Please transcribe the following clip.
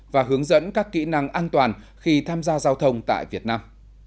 và hướng dẫn các kỹ năng an toàn khi tham gia giao thông tại việt nam